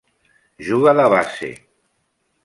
Juga de base.